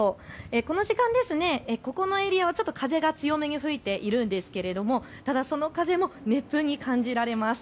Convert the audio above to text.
この時間、ここのエリアは風が強めに吹いているんですがその風も熱風に感じられます。